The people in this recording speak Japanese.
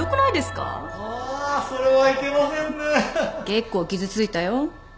結構傷ついたよ。